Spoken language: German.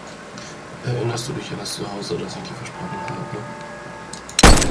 Erinnerst du dich an das Zuhause, das ich dir versprochen habe?